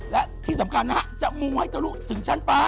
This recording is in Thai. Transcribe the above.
และที่สำคัญนะฮะจะมูให้เธอรู้ถึงชั้นป่า